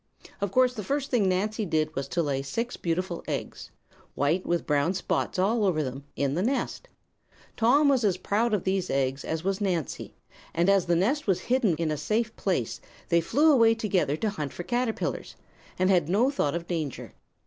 Of course, the first thing Nancy did was to lay six beautiful eggs white with brown spots all over them in the nest. Tom was as proud of these eggs as was Nancy, and as the nest was hidden in a safe place they flew away together to hunt for caterpillars, and had no thought of danger.